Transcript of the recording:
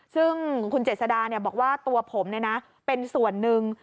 ซึ่งคุณเจษดาบอกว่าตัวผมเป็นส่วนหนึ่ง